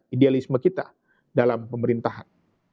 idealisme kita dalam pemerintahan